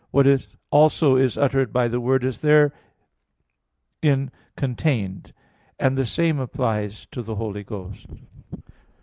What also is uttered by the word is therein contained. And the same applies to the Holy Ghost.